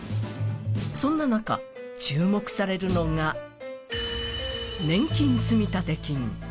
そんな中、注目されるのが年金積立金。